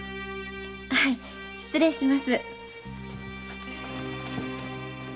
はい失礼します。